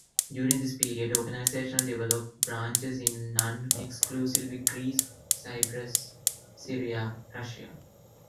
During this period, organization developed branches in non exclusively Greece, Cyprus, Syria, Russia.